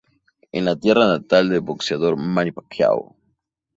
Es la tierra natal del boxeador Manny Pacquiao.